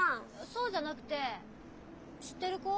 そうじゃなくて知ってる子？